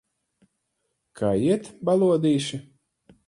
Kā iet, balodīši?